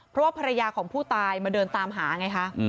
เพราะว่าภรรยาของผู้ตายมาเดินตามหาไงคะ